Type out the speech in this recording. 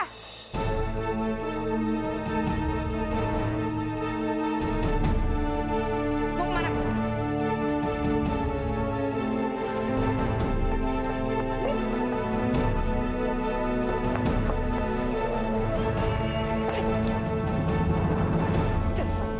buk mana pak